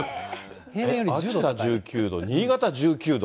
秋田１９度、新潟１９度。